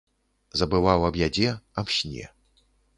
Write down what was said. Забываў аб ядзе, аб сне.